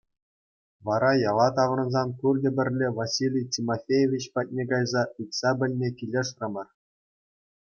Вара яла таврӑнсан пурте пӗрле Василий Тимофеевич патне кайса ыйтса пӗлме килӗшрӗмӗр.